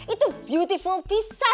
itu beautiful pisan